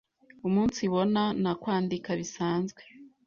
umunsibona na kwandika bisanzwe